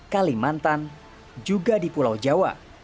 kalimantan juga di pulau jawa